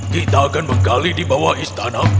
kita akan menggali di bawah istana